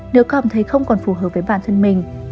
đều cảm thấy không còn phù hợp với bản thân mình